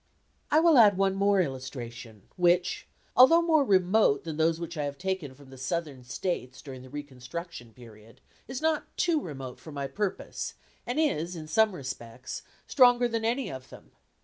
I will add one more illustration which, although more remote than those which I have taken from the Southern States during the reconstruction period, is not too remote for my purpose, and is in some respects stronger than any of them.